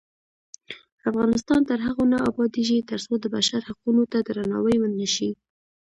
افغانستان تر هغو نه ابادیږي، ترڅو د بشر حقونو ته درناوی ونشي.